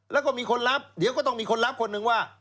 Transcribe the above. แล้วก็มีคนรับเดี๋ยวก็ต้องมีคนรับคนนึงว่า